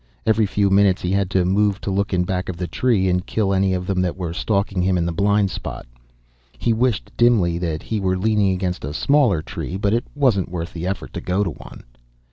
Every few minutes he had to move to look in back of the tree, and kill any of them that were stalking him in the blind spot. He wished dimly that he were leaning against a smaller tree, but it wasn't worth the effort to go to one.